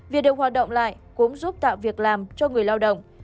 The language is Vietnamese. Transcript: việc được hoạt động lại cũng giúp tạo việc làm cho người lao động